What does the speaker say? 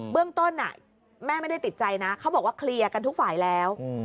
เรื่องต้นแม่ไม่ได้ติดใจนะเขาบอกว่าเคลียร์กันทุกฝ่ายแล้ว